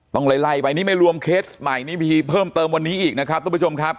ต้องไล่ไปนี่ไม่รวมเคสใหม่นี่มีเพิ่มเติมวันนี้อีกนะครับทุกผู้ชมครับ